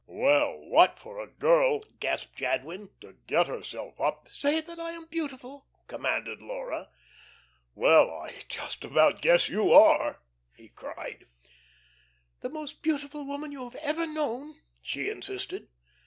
"Well, what for a girl!" gasped Jadwin, "to get herself up " "Say that I am beautiful," commanded Laura. "Well, I just about guess you are," he cried. "The most beautiful woman you have ever known?" she insisted.